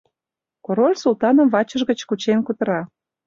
— Король Султаным вачыж гыч кучен кутыра.